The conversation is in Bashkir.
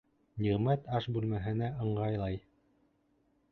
Ниғәмәт аш бүлмәһенә ыңғайлай.